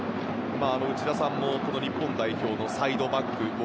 内田さんも日本代表のサイドバックを